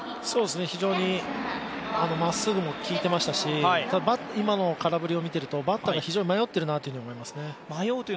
非常にまっすぐも効いていましたし、ただ、今の空振りを見ていると、バッターが非常に迷っているなと思いますね。